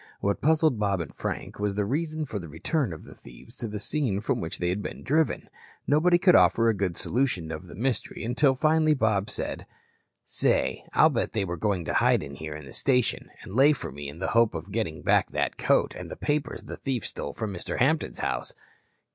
What puzzled Bob and Frank was the reason for the return of the thieves to the scene from which they had been driven. Nobody could offer a good solution of the mystery until finally Bob said: "Say, I'll bet they were going to hide here in the station and lay for me in the hope of getting back that coat and the papers the thief stole from Mr. Hampton's house."